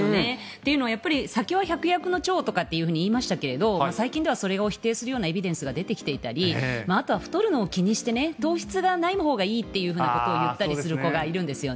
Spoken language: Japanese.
というのは酒は百薬の長とかって言いましたけれど最近ではそれを否定するようなエビデンスが出てきていたりあとは太るのを気にして糖質がないほうがいいと言ったりする子がいるんです。